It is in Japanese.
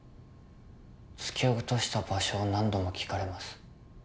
突き落とした場所を何度も聞かれます